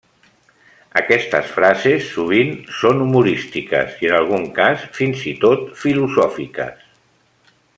Aquestes frases sovint són humorístiques i en algun cas, fins i tot, filosòfiques.